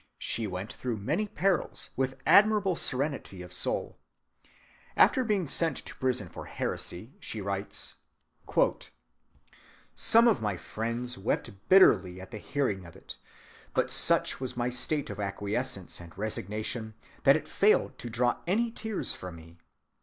She went through many perils with admirable serenity of soul. After being sent to prison for heresy,— "Some of my friends," she writes, "wept bitterly at the hearing of it, but such was my state of acquiescence and resignation that it failed to draw any tears from me....